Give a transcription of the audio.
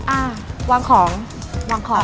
อ่าวางของวางของ